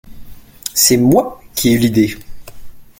C’est moi qui ai eu l’idée…